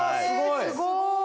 すごい！